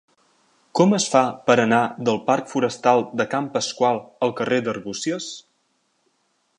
Com es fa per anar del parc Forestal de Can Pasqual al carrer d'Arbúcies?